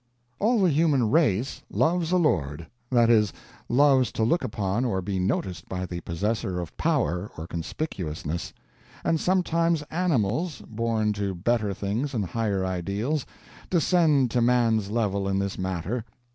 All the human race loves a lord that is, loves to look upon or be noticed by the possessor of Power or Conspicuousness; and sometimes animals, born to better things and higher ideals, descend to man's level in this matter.